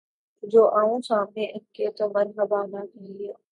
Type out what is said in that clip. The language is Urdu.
جو آؤں سامنے ان کے‘ تو مرحبا نہ کہیں